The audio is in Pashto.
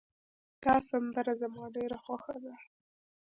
دا سندره زما ډېره خوښه ده